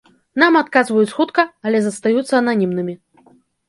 Нам адказваюць хутка, але застаюцца ананімнымі.